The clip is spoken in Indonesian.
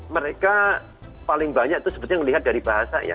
mereka paling banyak itu sebetulnya melihat dari bahasa ya